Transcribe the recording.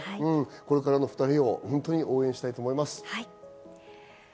これからの２人を本当に応援したいと思います。